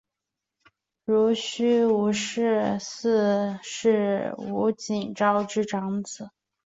濡须吴氏四世吴景昭之长子。